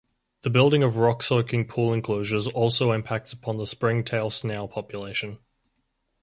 The building of rock soaking pool enclosures also impacts upon the springtail snail population.